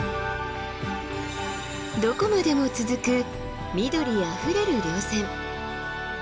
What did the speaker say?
どこまでも続く緑あふれる稜線。